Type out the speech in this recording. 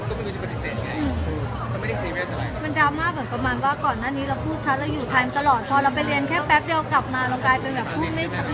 เป็นดราม่าเหมือนกับมีบ้านก่อนหน้านี้เราผู้ชั้นระยุดไทม์ตลอดพอเราไปเรียนแค่แปปเดียวกลับมาแล้ว